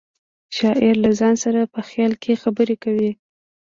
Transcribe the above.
شاعر له ځان سره په خیال کې خبرې کوي